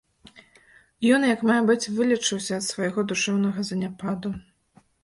Ён як мае быць вылечыўся ад свайго душэўнага заняпаду.